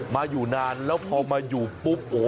มาอยู่นานแล้วพอมาอยู่ปุ๊บโอ้โห